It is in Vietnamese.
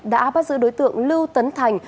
đã bắt giữ đối tượng lưu tấn thành